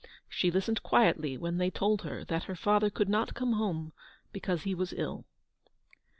She listened quietly when they told her that her father could not come home because he was ill.